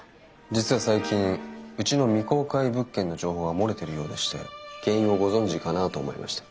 実は最近うちの未公開物件の情報が漏れてるようでして原因をご存じかなと思いまして。